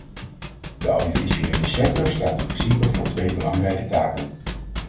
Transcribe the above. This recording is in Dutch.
De audiovisuele sector staat in principe voor twee belangrijke taken.